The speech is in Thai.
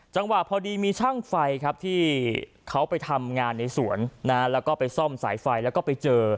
จังหวะพอดีมีช่างไฟครับที่เขาไปทำงานในสวนแล้วก็ไปซ่อมสายไฟแล้วก็ไปเจอ